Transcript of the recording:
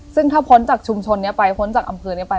ซึ่งถ้าพ้นจากชุมชนนี้ไปพ้นจากอำเภอนี้ไป